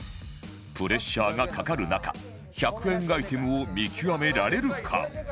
プレッシャーがかかる中１００円アイテムを見極められるか？